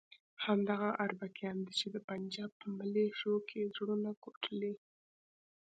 همدغه اربکیان دي چې د پنجاب په ملیشو کې زړونه کوټلي.